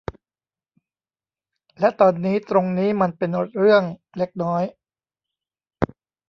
และตอนนี้ตรงนี้มันเป็นเรื่องเล็กน้อย